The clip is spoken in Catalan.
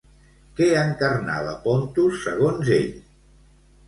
Què encarnava Pontos segons ell?